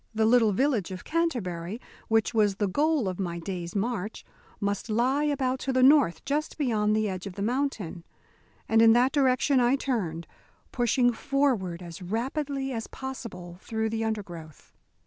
The little village of Canterbury, which was the goal of my day's march, must lie about to the north just beyond the edge of the mountain, and in that direction I turned, pushing forward as rapidly as possible through the undergrowth.